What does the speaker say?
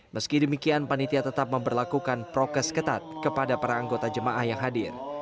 meski demikian panitia tetap memperlakukan prokes ketat kepada para anggota jemaah yang hadir